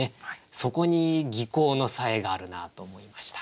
そこに技巧のさえがあるなと思いました。